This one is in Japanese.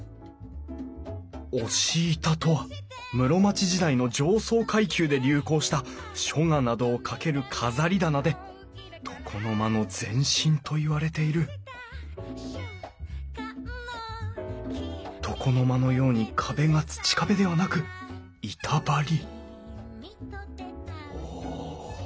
押し板とは室町時代の上層階級で流行した書画などをかける飾り棚で床の間の前身といわれている床の間のように壁が土壁ではなく板張りおお。